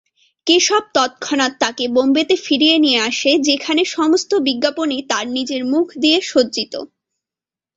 কেশব তৎক্ষণাৎ তাকে বোম্বেতে ফিরিয়ে নিয়ে আসে, যেখানে সমস্ত বিজ্ঞাপনী তার নিজের মুখ দিয়ে সজ্জিত।